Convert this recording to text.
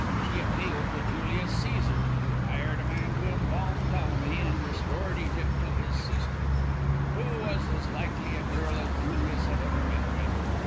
She appealed to Julius Cæsar, who hired a man to embalm Ptolemy, and restored Egypt to his sister, who was as likely a girl as Julius had ever met with.